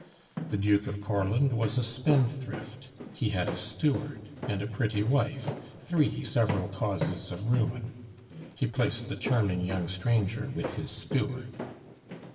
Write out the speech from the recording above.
The Duke of Courland was a spendthrift; he had a steward and a pretty wife three several causes of ruin. He placed the charming young stranger with his steward.